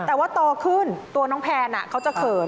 แต่ว่าโตขึ้นตัวน้องแพนเขาจะเขิน